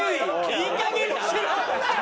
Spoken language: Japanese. いいかげんにしろよ！